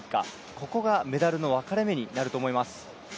ここがメダルの分かれ目になると思います。